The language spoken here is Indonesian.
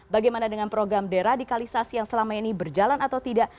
bagaimana dengan program deradikalisasi yang selama ini berjalan atau tidak